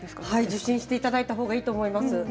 受診していただいたほうがいいと思います。